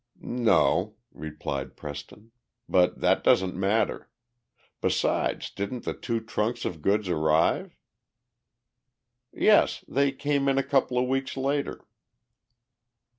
"No," replied Preston. "But that doesn't matter. Besides, didn't the two trunks of goods arrive?" "Yes, they came in a couple of weeks later."